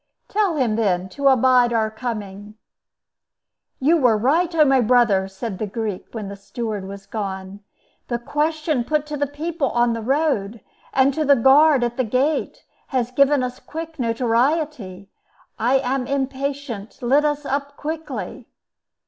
"Tell him, then, to abide our coming." "You were right, O my brother!" said the Greek, when the steward was gone. "The question put to the people on the road, and to the guard at the gate, has given us quick notoriety. I am impatient; let us up quickly."